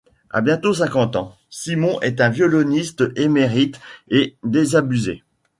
A bientôt cinquante ans, Simon est un violoniste émérite et désabusé.